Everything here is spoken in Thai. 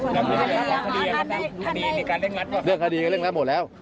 นั่นควรหาคดีอ่ะนั่นควรหาคดีนี่การเล่งรัฐก็เล่นคดีกับเล่งรัฐหมดแล้ว